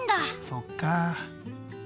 そっか。